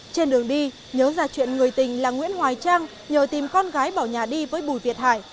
trên đường đi nhớ ra chuyện người tình là nguyễn hoài trang nhờ tìm con gái bỏ nhà đi với bùi việt hải